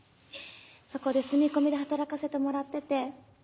そこで住み込みで働かせてもらってて。